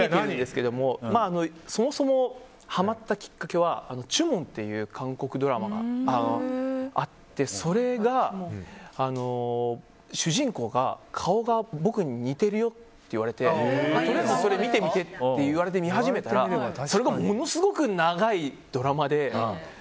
そもそも、ハマったきっかけは「チュモン」という韓国ドラマがあって主人公の顔が僕に似てるよって言われてとりあえずそれ見てみてって言われて見てみたらそれがものすごく長いドラマで。